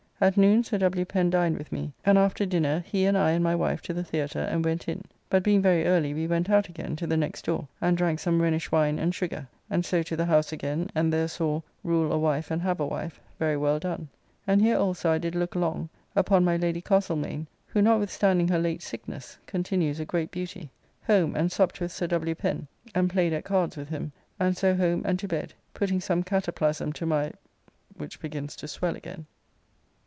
At noon Sir W. Pen dined with me, and after dinner he and I and my wife to the Theatre, and went in, but being very early we went out again to the next door, and drank some Rhenish wine and sugar, and so to the House again, and there saw "Rule a Wife and have a Wife" very well done. And here also I did look long upon my Lady Castlemaine, who, notwithstanding her late sickness, continues a great beauty. Home and supped with Sir W. Pen and played at cards with him, and so home and to bed, putting some cataplasm to my.... which begins to swell again.